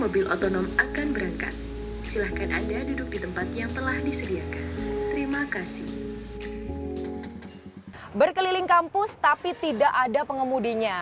berkeliling kampus tapi tidak ada pengemudinya